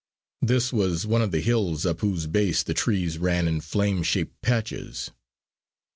This was one of the hills up whose base the trees ran in flame shaped patches.